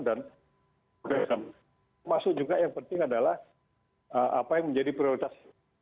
termasuk juga yang penting adalah apa yang menjadi prioritas